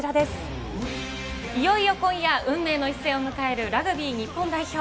いよいよ今夜、運命の一戦を迎えるラグビー日本代表。